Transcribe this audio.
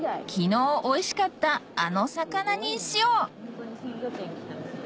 昨日おいしかったあの魚にしよう！